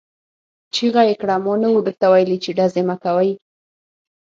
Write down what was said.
چيغه يې کړه! ما نه وو درته ويلي چې ډزې مه کوئ!